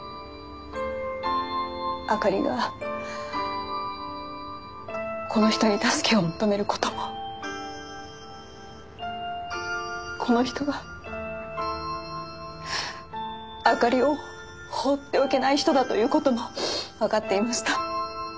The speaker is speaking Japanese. あかりがこの人に助けを求める事もこの人があかりを放っておけない人だという事もわかっていました。